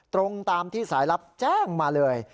ตรงตามที่สายลับแจ้งมาเลย